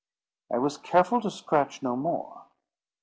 I was careful to scratch no more.